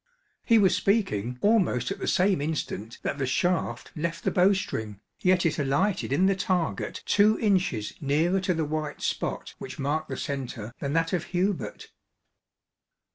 He was speaking almost at the same instant that the shaft left the bow string, yet it alighted in the target two inches nearer to the white spot which marked the centre than that of Hubert.